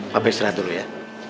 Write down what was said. papa istirahat dulu ya